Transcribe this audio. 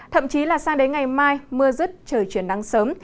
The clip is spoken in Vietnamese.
thậm chí là sang đến ngày mai mưa rứt trời chuyển nắng sớm